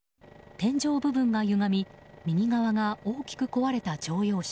天井部分が歪み右側が大きく壊れた乗用車。